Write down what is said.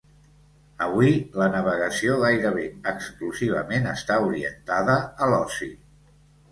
Avui la navegació gairebé exclusivament està orientada a l'oci.